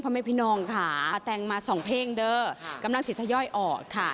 เพราะไม่พี่นองค่ะแต่งมาสองเพลงเด้อค่ะกำลังสิทธิย้อยออกค่ะ